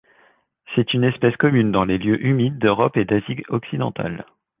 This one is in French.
C'est une espèce commune dans les lieux humides d'Europe et d'Asie occidentale.